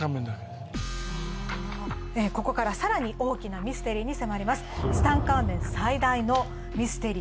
ここから更に大きなミステリーに迫ります。